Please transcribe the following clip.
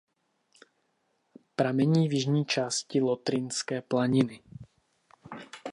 Pramení v jižní části Lotrinské planiny.